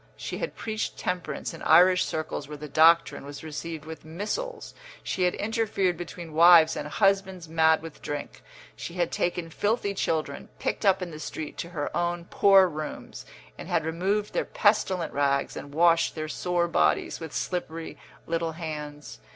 She had preached temperance in Irish circles where the doctrine was received with missiles; she had interfered between wives and husbands mad with drink; she had taken filthy children, picked up in the street, to her own poor rooms, and had removed their pestilent rags and washed their sore bodies with slippery little hands.